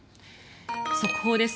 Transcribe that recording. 速報です。